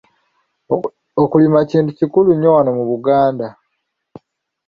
Okulima kintu kikulu nnyo wano mu Buganda.